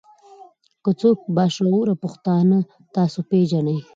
کۀ څوک با شعوره پښتانۀ تاسو پېژنئ